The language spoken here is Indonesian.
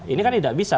ini kan tidak bisa